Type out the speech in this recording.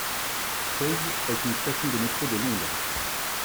Paul's est une station du métro de Londres.